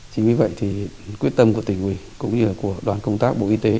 chính vì vậy quyết tâm của tỉnh huyện cũng như của đoàn công tác bộ y tế